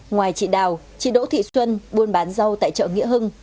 ngoài chị đào chị đỗ thị xuân buôn bán rau tại chợ nghĩa hưng